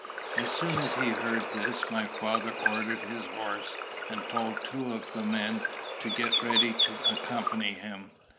As soon as he heard this, my father ordered his horse, and told two of the men to get ready to accompany him.